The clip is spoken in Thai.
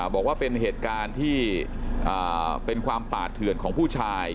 บอกว่าเป็นเหตุการณ์ที่เป็นความปาดเถื่อนของผู้ชาย